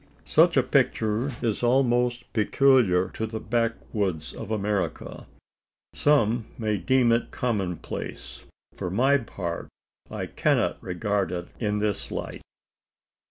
Such a picture is almost peculiar to the backwoods of America. Some may deem it commonplace. For my part, I cannot regard it in this light.